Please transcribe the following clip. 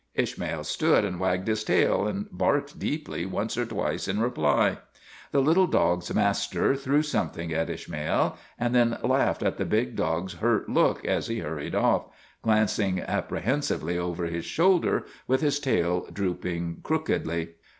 Ishmael stood and wagged his tail, and barked deeply once or twice in reply. The little dog's master threw something at Ishmael, and then laughed at the big dog's hurt look as he hurried off, glancing apprehensively over his shoulder, with his tail drooping crookedly.